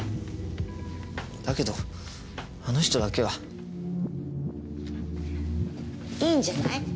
だけどあの人だけは。いいんじゃない？